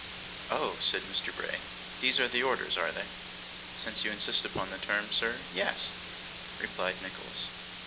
'Oh!' said Mr. Bray. 'These are the orders, are they?' 'Since you insist upon the term, sir, yes,' replied Nicholas.